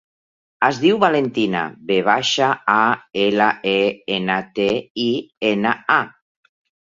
Es diu Valentina: ve baixa, a, ela, e, ena, te, i, ena, a.